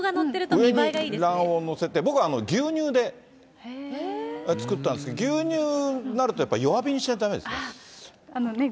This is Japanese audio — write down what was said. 上に卵黄載せて、僕は牛乳で作ったんですけど、牛乳になるとやっぱり弱火にしないとだめですね。